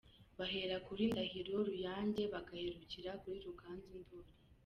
Bahera kuri Ndahiro Ruyange, bagaherukira kuri Ruganzu Ndoli.